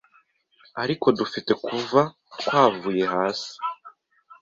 Ariko dufite kuva twavuye hasi